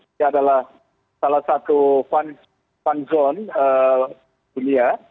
ini adalah salah satu fun zone dunia